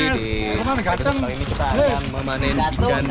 di episode kali ini kita akan memanen ikan